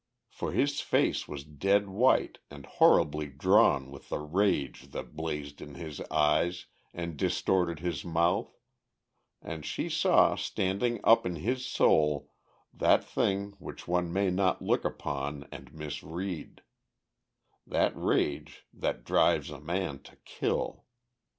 For his face was dead white and horribly drawn with the rage that blazed in his eyes and distorted his mouth, and she saw, standing up in his soul, that thing which one may not look upon and misread: that rage that drives a man to kill.